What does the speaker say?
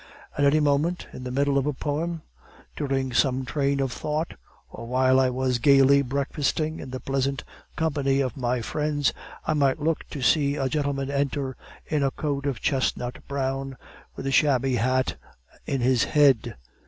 "At any moment, in the middle of a poem, during some train of thought, or while I was gaily breakfasting in the pleasant company of my friends, I might look to see a gentleman enter in a coat of chestnut brown, with a shabby hat in his hand.